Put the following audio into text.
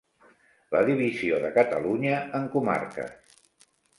La divisió de Catalunya en comarques.